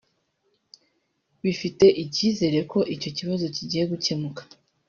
bifite icyizere ko icyo kibazo kigiye gucyemuka